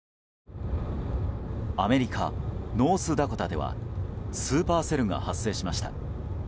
アメリカ・ノースダコタではスーパーセルが発生しました。